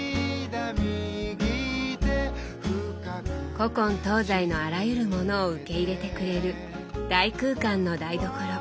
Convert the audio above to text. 古今東西のあらゆるものを受け入れてくれる大空間の台所。